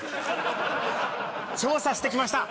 調査して来ました！